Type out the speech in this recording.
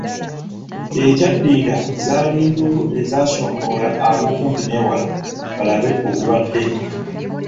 Ekyaddirira zaali nduulu ezaasomboola ab'okumpi n'ewala balabe ogubadde.